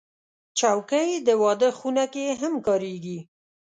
چوکۍ د واده خونه کې هم کارېږي.